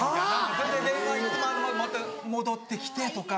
「それで電話また戻ってきて」とか。